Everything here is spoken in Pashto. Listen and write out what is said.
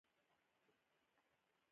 د پښتو غزل وده او ارزښت